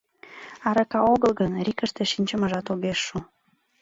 Арака огыл гын, РИК-ыште шинчымыжат огеш шу.